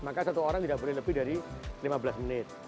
maka satu orang tidak boleh lebih dari lima belas menit